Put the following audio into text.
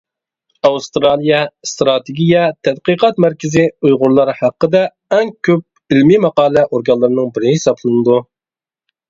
ئاۋسترالىيە ئىستراتېگىيە تەتقىقات مەركىزى ئۇيغۇرلار ھەققىدە ئەڭ كۆپ ئىلمى ماقالە ئورگانلارنىڭ بىرى ھېسابلىنىدۇ.